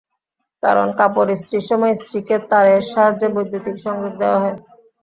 কারণ, কাপড় ইস্ত্রির সময় ইস্ত্রিকে তারের সাহায্যে বৈদ্যুতিক সংযোগ দেওয়া হয়।